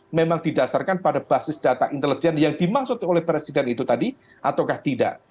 memang didasarkan pada basis data intelijen yang dimaksud oleh presiden itu tadi atau tidak